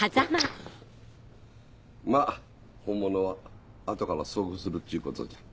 まっ本物は後から送付するっちゅうことじゃ。